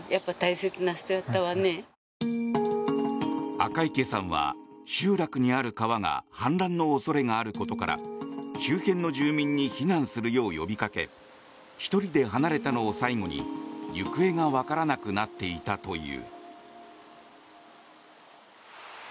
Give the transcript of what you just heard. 赤池さんは、集落にある川が氾濫の恐れがあることから周辺の住民に避難するよう呼びかけ１人で離れたのを最後に行方がわからなくなっていたという。